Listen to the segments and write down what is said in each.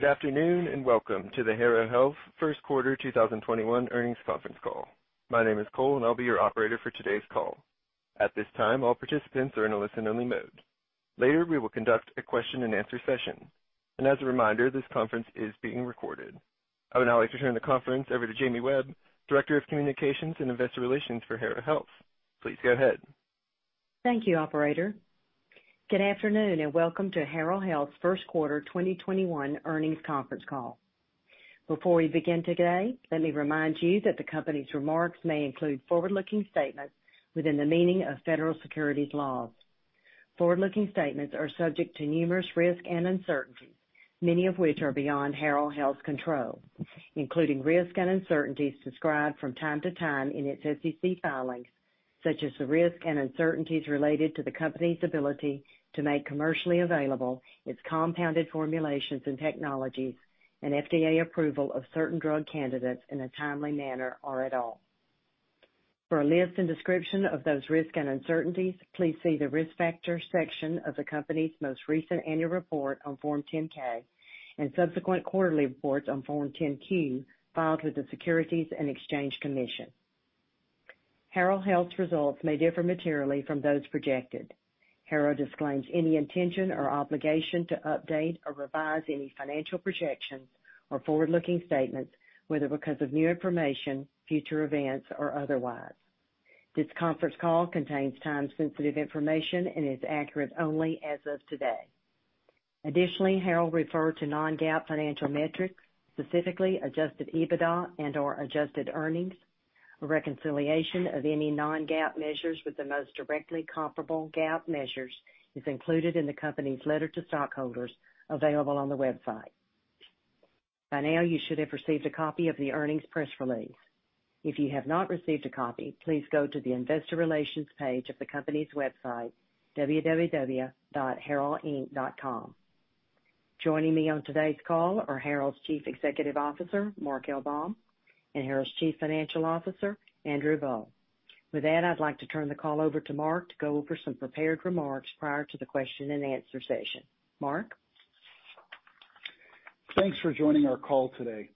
Good afternoon, and welcome to the Harrow Health First Quarter 2021 Earnings Conference Call. My name is Cole, and I'll be your operator for today's call. At this time, all participants are in a listen-only mode. Later, we will conduct a question and answer session. As a reminder, this conference is being recorded. I would now like to turn the conference over to Jamie Webb, Director of Communications and Investor Relations for Harrow Health. Please go ahead. Thank you, operator. Good afternoon, welcome to Harrow Health's First Quarter 2021 Earnings Conference Call. Before we begin today, let me remind you that the company's remarks may include forward-looking statements within the meaning of federal securities laws. Forward-looking statements are subject to numerous risks and uncertainties, many of which are beyond Harrow Health's control, including risks and uncertainties described from time to time in its SEC filings, such as the risks and uncertainties related to the company's ability to make commercially available its compounded formulations and technologies and FDA approval of certain drug candidates in a timely manner or at all. For a list and description of those risks and uncertainties, please see the Risk Factors section of the company's most recent annual report on Form 10-K and subsequent quarterly reports on Form 10-Q filed with the Securities and Exchange Commission. Harrow Health's results may differ materially from those projected. Harrow disclaims any intention or obligation to update or revise any financial projections or forward-looking statements, whether because of new information, future events, or otherwise. This conference call contains time-sensitive information and is accurate only as of today. Additionally, Harrow referred to non-GAAP financial metrics, specifically adjusted EBITDA and/or adjusted earnings. A reconciliation of any non-GAAP measures with the most directly comparable GAAP measures is included in the company's letter to stockholders, available on the website. By now, you should have received a copy of the earnings press release. If you have not received a copy, please go to the investor relations page of the company's website, www.harrowinc.com. Joining me on today's call are Harrow's Chief Executive Officer, Mark L. Baum, and Harrow's Chief Financial Officer, Andrew Boll. With that, I'd like to turn the call over to Mark to go over some prepared remarks prior to the question and answer session. Mark? Thanks for joining our call today.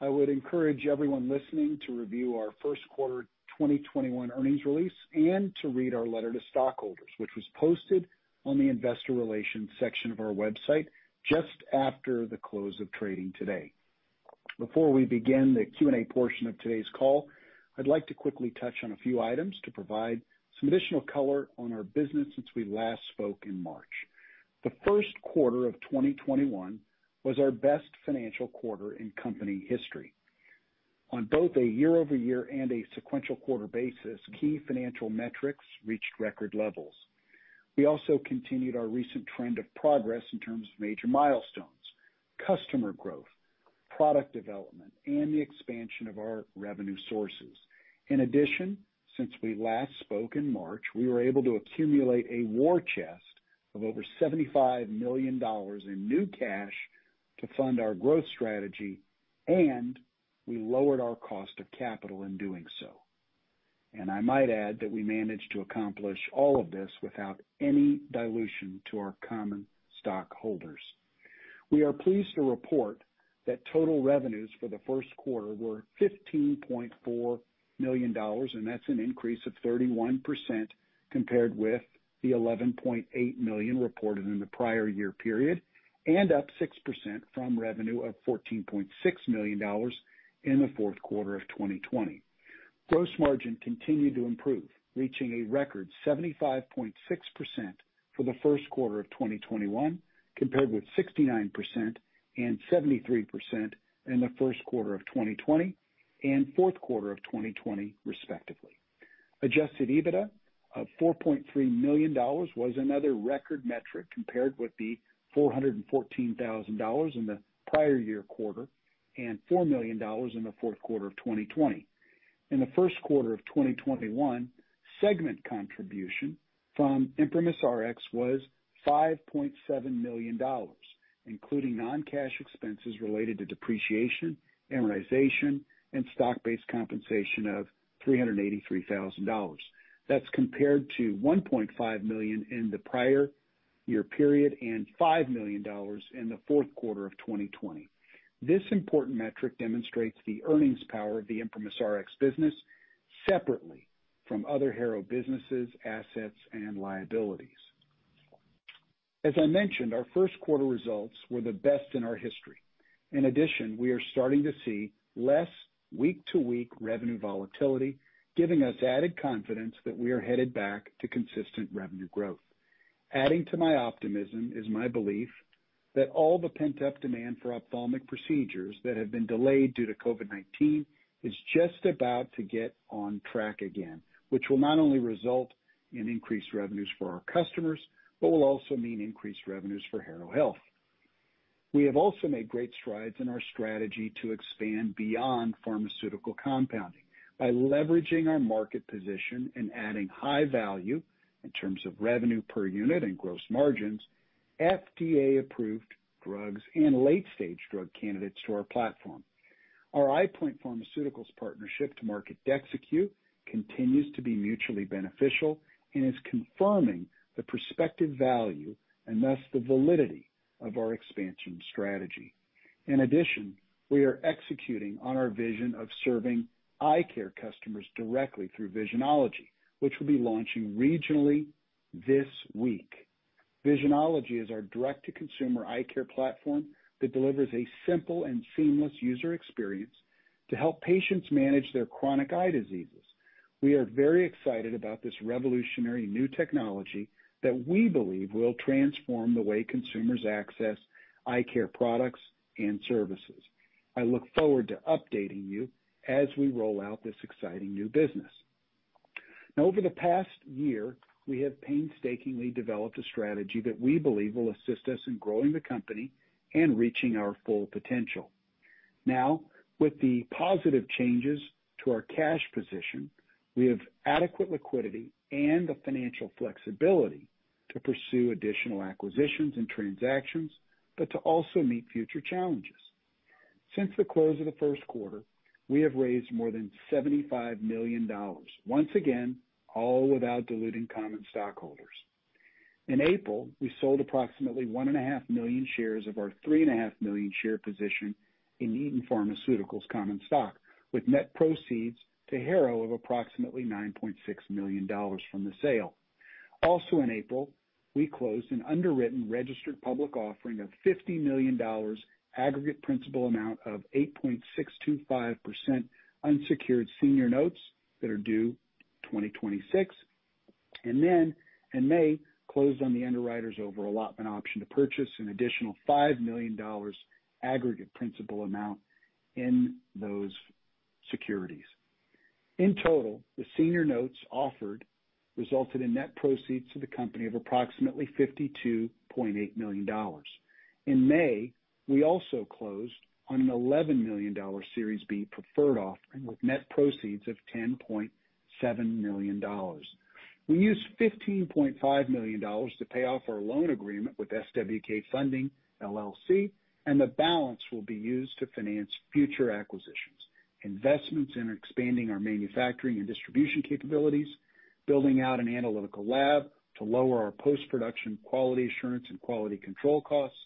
I would encourage everyone listening to review our first quarter 2021 earnings release and to read our letter to stockholders, which was posted on the investor relations section of our website just after the close of trading today. Before we begin the Q&A portion of today's call, I'd like to quickly touch on a few items to provide some additional color on our business since we last spoke in March. The first quarter of 2021 was our best financial quarter in company history. On both a year-over-year and a sequential quarter basis, key financial metrics reached record levels. We also continued our recent trend of progress in terms of major milestones, customer growth, product development, and the expansion of our revenue sources. In addition, since we last spoke in March, we were able to accumulate a war chest of over $75 million in new cash to fund our growth strategy, we lowered our cost of capital in doing so. I might add that we managed to accomplish all of this without any dilution to our common stockholders. We are pleased to report that total revenues for the first quarter were $15.4 million, that's an increase of 31% compared with the $11.8 million reported in the prior year period, up 6% from revenue of $14.6 million in the fourth quarter of 2020. Gross margin continued to improve, reaching a record 75.6% for the first quarter of 2021, compared with 69% and 73% in the first quarter of 2020 and fourth quarter of 2020, respectively. Adjusted EBITDA of $4.3 million was another record metric compared with the $414,000 in the prior year quarter and $4 million in the fourth quarter of 2020. In the first quarter of 2021, segment contribution from ImprimisRx was $5.7 million, including non-cash expenses related to depreciation, amortization, and stock-based compensation of $383,000. That's compared to $1.5 million in the prior year period and $5 million in the fourth quarter of 2020. This important metric demonstrates the earnings power of the ImprimisRx business separately from other Harrow businesses, assets, and liabilities. As I mentioned, our first quarter results were the best in our history. In addition, we are starting to see less week-to-week revenue volatility, giving us added confidence that we are headed back to consistent revenue growth. Adding to my optimism is my belief that all the pent-up demand for ophthalmic procedures that have been delayed due to COVID-19 is just about to get on track again, which will not only result in increased revenues for our customers, but will also mean increased revenues for Harrow Health. We have also made great strides in our strategy to expand beyond pharmaceutical compounding by leveraging our market position and adding high value in terms of revenue per unit and gross margins, FDA-approved drugs, and late-stage drug candidates to our platform. Our EyePoint Pharmaceuticals partnership to market DEXYCU continues to be mutually beneficial and is confirming the prospective value, and thus the validity of our expansion strategy. In addition, we are executing on our vision of serving eye care customers directly through Visionology, which will be launching regionally this week. Visionology is our direct-to-consumer eye care platform that delivers a simple and seamless user experience to help patients manage their chronic eye diseases. We are very excited about this revolutionary new technology that we believe will transform the way consumers access eye care products and services. I look forward to updating you as we roll out this exciting new business. Over the past year, we have painstakingly developed a strategy that we believe will assist us in growing the company and reaching our full potential. With the positive changes to our cash position, we have adequate liquidity and the financial flexibility to pursue additional acquisitions and transactions, but to also meet future challenges. Since the close of the first quarter, we have raised more than $75 million, once again, all without diluting common stockholders. In April, we sold approximately one and a half million shares of our three and a half million share position in Eton Pharmaceuticals common stock, with net proceeds to Harrow of approximately $9.6 million from the sale. Also in April, we closed an underwritten registered public offering of $50 million aggregate principal amount of 8.625% unsecured senior notes that are due 2026. In May, we closed on the underwriter's over-allotment option to purchase an additional $5 million aggregate principal amount in those securities. In total, the senior notes offered resulted in net proceeds to the company of approximately $52.8 million. In May, we also closed on an $11 million Series B preferred offering, with net proceeds of $10.7 million. We used $15.5 million to pay off our loan agreement with SWK Funding LLC, and the balance will be used to finance future acquisitions. Investments in expanding our manufacturing and distribution capabilities, building out an analytical lab to lower our post-production quality assurance and quality control costs,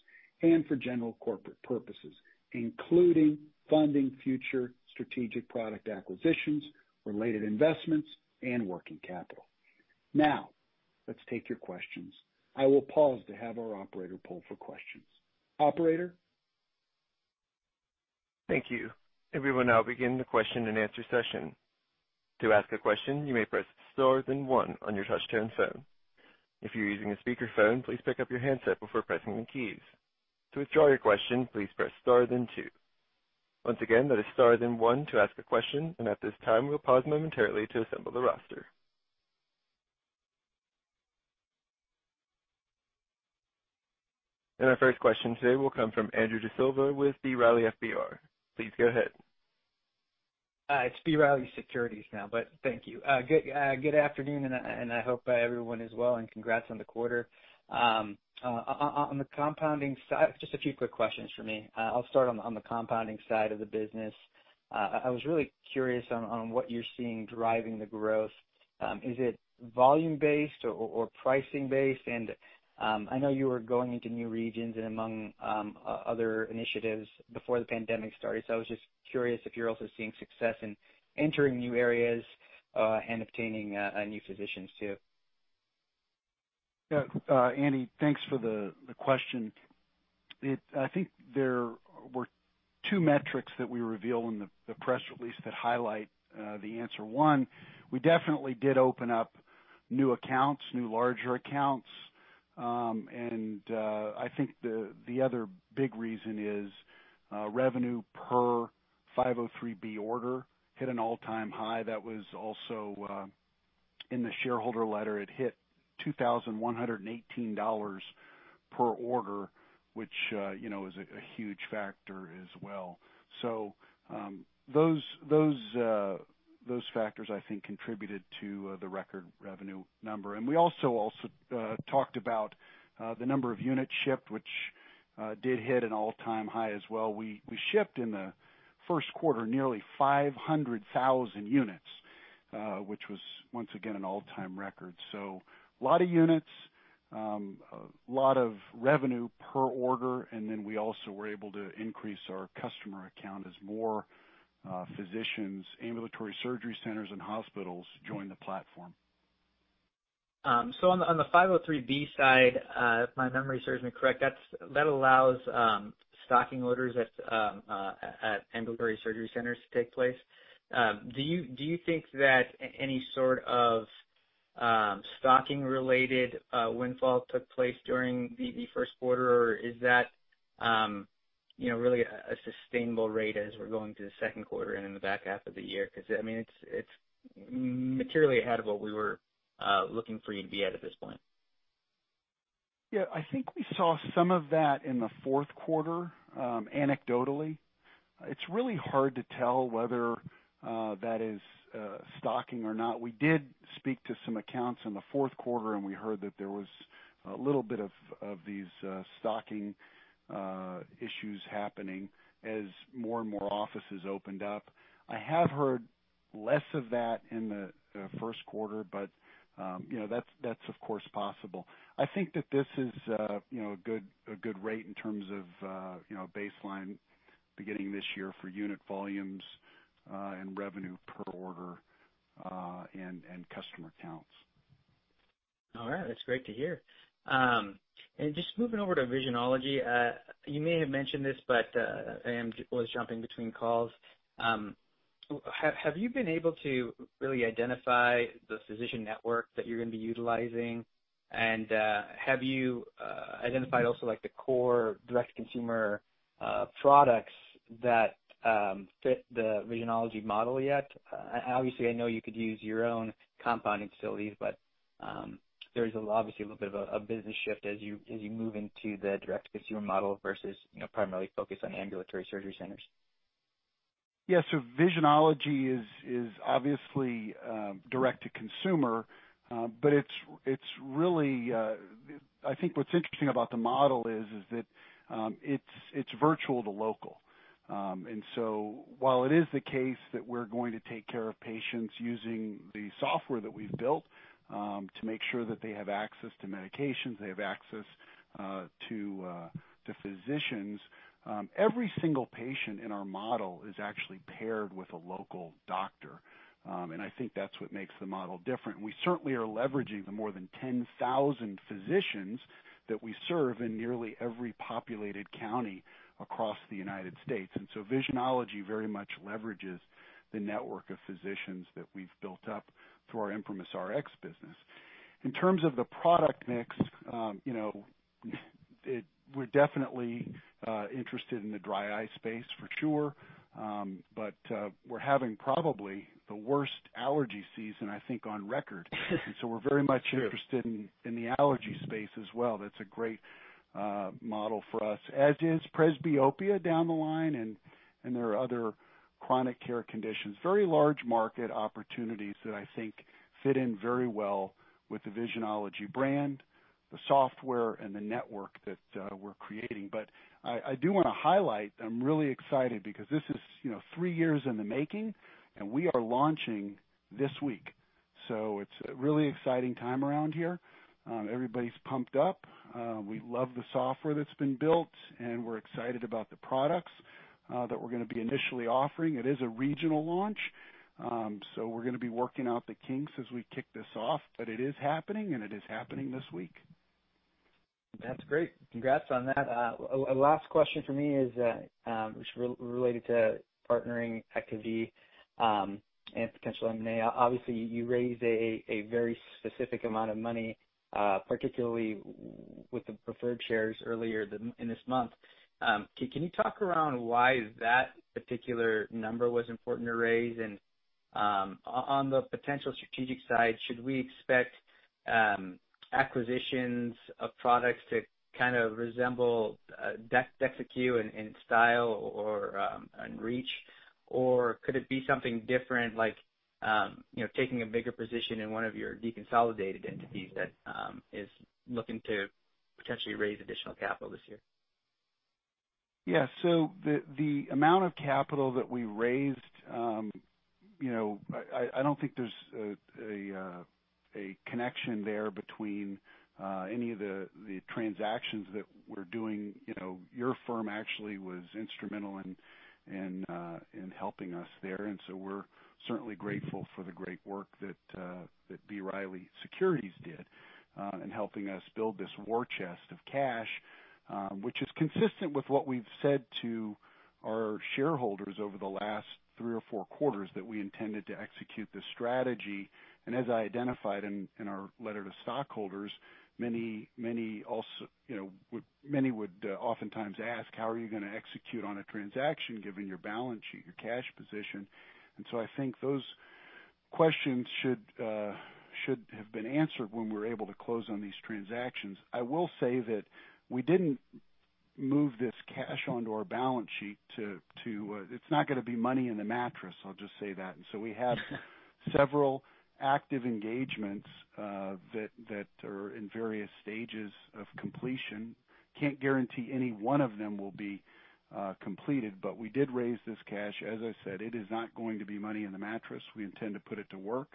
and for general corporate purposes, including funding future strategic product acquisitions, related investments, and working capital. Let's take your questions. I will pause to have our operator poll for questions. Operator? Thank you. We will now begin the question and answer session. To ask a question, you may press star then one on your touchtone phone. If you are using a speakerphone, please pick up your handset before pressing any keys. To withdraw your question, please press star then two. Once again, that is star then one to ask a question and at this time we're pausing momentarily to assemble the roster. Our first question today will come from Andrew D'Silva with B. Riley FBR. Please go ahead. It's B. Riley Securities now, thank you. Good afternoon. I hope everyone is well, and congrats on the quarter. Just a few quick questions from me. I'll start on the compounding side of the business. I was really curious on what you're seeing driving the growth. Is it volume-based or pricing-based? I know you were going into new regions and among other initiatives before the pandemic started. I was just curious if you're also seeing success in entering new areas and obtaining new physicians too. Yeah. Andy, thanks for the question. I think there were two metrics that we reveal in the press release that highlight the answer. One, we definitely did open up new accounts, new larger accounts. I think the other big reason is revenue per 503B order hit an all-time high that was also in the shareholder letter, it hit $2,118 per order, which is a huge factor as well. Those factors, I think, contributed to the record revenue number. We also talked about the number of units shipped, which did hit an all-time high as well. We shipped in the first quarter nearly 500,000 units, which was once again, an all-time record. A lot of units, a lot of revenue per order, we also were able to increase our customer account as more physicians, ambulatory surgery centers, and hospitals joined the platform. On the 503B side, if my memory serves me correct, that allows stocking orders at ambulatory surgery centers to take place. Do you think that any sort of stocking-related windfall took place during the first quarter? Is that really a sustainable rate as we're going through the second quarter and in the back half of the year? Because it's materially ahead of what we were looking for you to be at at this point. Yeah, I think we saw some of that in the fourth quarter, anecdotally. It's really hard to tell whether that is stocking or not. We did speak to some accounts in the fourth quarter, and we heard that there was a little bit of these stocking issues happening as more and more offices opened up. I have heard less of that in the first quarter, but that's of course possible. I think that this is a good rate in terms of baseline beginning this year for unit volumes and revenue per order, and customer counts. All right. That's great to hear. Just moving over to Visionology, you may have mentioned this, but I was jumping between calls. Have you been able to really identify the physician network that you're going to be utilizing? Have you identified also the core direct-to-consumer products that fit the Visionology model yet? Obviously, I know you could use your own compounding facilities, but there is obviously a little bit of a business shift as you move into the direct-to-consumer model versus primarily focused on ambulatory surgery centers. Yeah. Visionology is obviously direct to consumer, but I think what's interesting about the model is that it's virtual to local. While it is the case that we're going to take care of patients using the software that we've built to make sure that they have access to medications, they have access to physicians, every single patient in our model is actually paired with a local doctor, and I think that's what makes the model different. We certainly are leveraging the more than 10,000 physicians that we serve in nearly every populated county across the United States. Visionology very much leverages the network of physicians that we've built up through our ImprimisRx business. In terms of the product mix, we're definitely interested in the dry eye space for sure. We're having probably the worst allergy season, I think, on record. We're very much interested in the allergy space as well. That's a great model for us, as is presbyopia down the line, and there are other chronic care conditions. Very large market opportunities that I think fit in very well with the Visionology brand, the software, and the network that we're creating. I do want to highlight, I'm really excited because this is three years in the making, and we are launching this week. It's a really exciting time around here. Everybody's pumped up, we love the software that's been built, and we're excited about the products that we're going to be initially offering. It is a regional launch, we're going to be working out the kinks as we kick this off. It is happening, and it is happening this week. That's great. Congrats on that. Last question from me is related to partnering activity and potential M&A. Obviously, you raised a very specific amount of money, particularly with the preferred shares earlier in this month. Can you talk around why that particular number was important to raise? On the potential strategic side, should we expect acquisitions of products to kind of resemble DEXYCU in style or in reach? Could it be something different, like taking a bigger position in one of your deconsolidated entities that is looking to potentially raise additional capital this year? Yeah. The amount of capital that we raised, I don't think there's a connection there between any of the transactions that we're doing. Your firm actually was instrumental in helping us there, we're certainly grateful for the great work that B. Riley Securities did in helping us build this war chest of cash, which is consistent with what we've said to our shareholders over the last three or four quarters, that we intended to execute this strategy. As I identified in our letter to stockholders, many would oftentimes ask, "How are you going to execute on a transaction given your balance sheet, your cash position?" I think those questions should have been answered when we're able to close on these transactions. I will say that we didn't move this cash onto our balance sheet. It's not going to be money in the mattress, I'll just say that. We have several active engagements that are in various stages of completion. Can't guarantee any one of them will be completed, but we did raise this cash. As I said, it is not going to be money in the mattress. We intend to put it to work,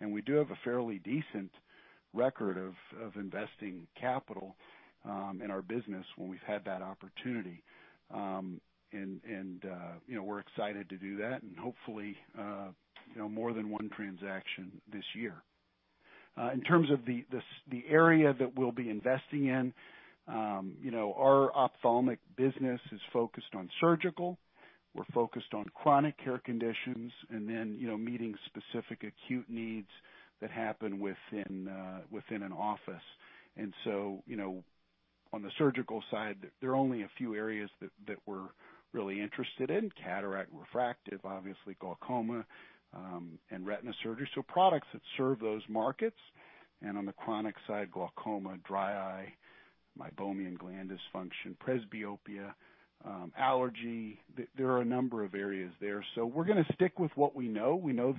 and we do have a fairly decent record of investing capital in our business when we've had that opportunity. We're excited to do that, and hopefully more than one transaction this year. In terms of the area that we'll be investing in, our ophthalmic business is focused on surgical, we're focused on chronic care conditions, and then meeting specific acute needs that happen within an office. On the surgical side, there are only a few areas that we're really interested in: cataract, refractive, obviously glaucoma, and retina surgery, so products that serve those markets. On the chronic side, glaucoma, dry eye, meibomian gland dysfunction, presbyopia, allergy. There are a number of areas there. We're going to stick with what we know. We know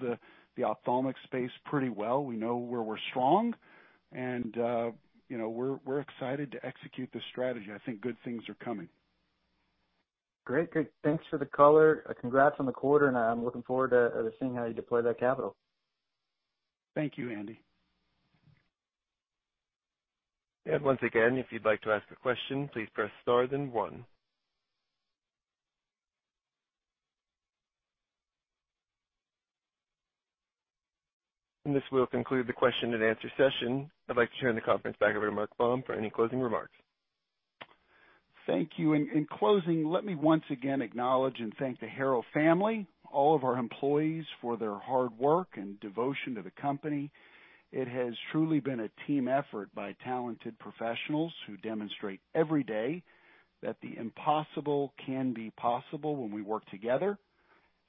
the ophthalmic space pretty well. We know where we're strong, and we're excited to execute this strategy. I think good things are coming. Great. Thanks for the color. Congrats on the quarter. I'm looking forward to seeing how you deploy that capital. Thank you, Andy. Once again, if you'd like to ask a question, please press star then one. This will conclude the question and answer session. I'd like to turn the conference back over to Mark Baum for any closing remarks. Thank you. In closing, let me once again acknowledge and thank the Harrow family, all of our employees, for their hard work and devotion to the company. It has truly been a team effort by talented professionals who demonstrate every day that the impossible can be possible when we work together,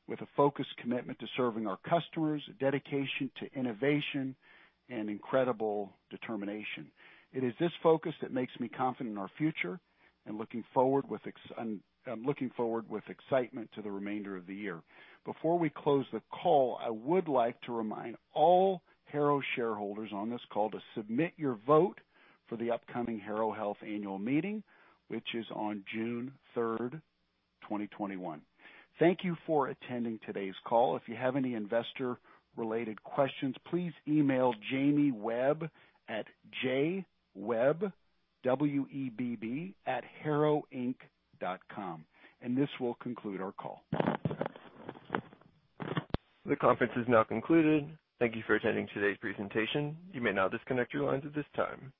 with a focused commitment to serving our customers, a dedication to innovation, and incredible determination. It is this focus that makes me confident in our future. I'm looking forward with excitement to the remainder of the year. Before we close the call, I would like to remind all Harrow shareholders on this call to submit your vote for the upcoming Harrow Health annual meeting, which is on June 3, 2021. Thank you for attending today's call. If you have any investor-related questions, please email Jamie Webb at jwebb@harrow.com. This will conclude our call. The conference is now concluded. Thank you for attending today's presentation. You may now disconnect your lines at this time.